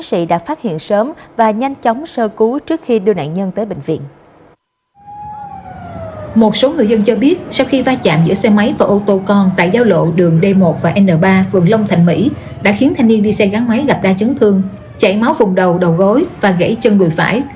sau khi va chạm giữa xe máy và ô tô con tại giao lộ đường d một và n ba vườn long thành mỹ đã khiến thanh niên đi xe gắn máy gặp đa chấn thương chạy máu vùng đầu đầu gối và gãy chân đùi phải